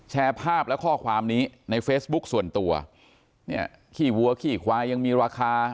แชร์ภาพและข้อความนี้ในเฟซบุ๊คส่วนตัวเนี่ยขี้วัวขี้ควายยังมีราคา